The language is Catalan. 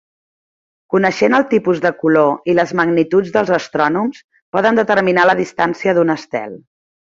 Coneixent el tipus de color i les magnituds els astrònoms poden determinar la distància d'un estel.